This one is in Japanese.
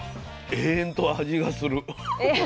永遠と味がする。